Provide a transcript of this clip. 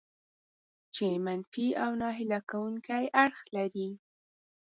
چې منفي او ناهیله کوونکي اړخ لري.